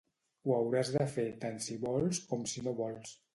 Ho hauràs de fer tant si vols com si no vols.